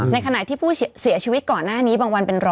ในขณะที่ผู้เสียชีวิตก่อนหน้านี้บางวันเป็น๑๐๐